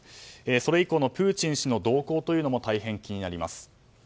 それ以降のプーチン氏の動向もたいへん気になります。